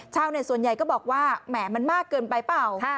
ชาวเน็ตส่วนใหญ่ก็บอกว่าแหมมันมากเกินไปเปล่า